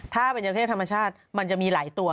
ถ้าเป็นเจ้าเทพธรรมชาติมันจะมีหลายตัว